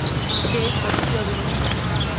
cheshtoquiobi në